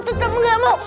tetep gak mau